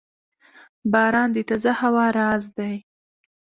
• باران د تازه هوا راز دی.